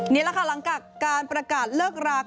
นี่แหละค่ะหลังจากการประกาศเลิกรา